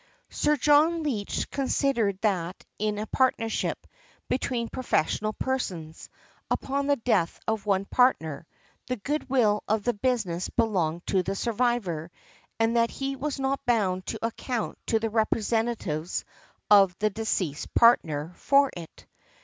|191| Sir John Leach considered that in a partnership, between professional persons, upon the death of one partner the good will of the business belonged to the survivor, and that he was not bound to account to the representatives of the deceased partner for it .